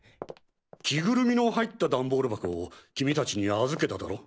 着ぐるみの入った段ボール箱を君たちに預けただろ。